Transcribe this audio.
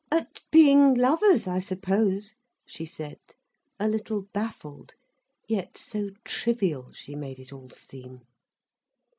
"At being lovers, I suppose," she said, a little baffled, yet so trivial she made it all seem.